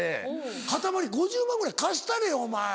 かたまり５０万ぐらい貸したれよお前。